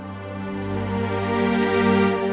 saya mau pergi